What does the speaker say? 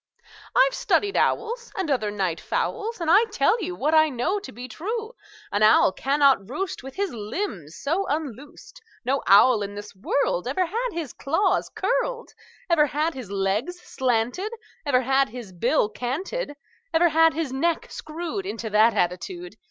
"I've studied owls, And other night fowls, And I tell you What I know to be true: An owl cannot roost With his limbs so unloosed; No owl in this world Ever had his claws curled, Ever had his legs slanted, Ever had his bill canted, Ever had his neck screwed Into that attitude.